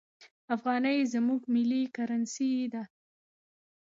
افغانۍ زموږ ملي کرنسي ده.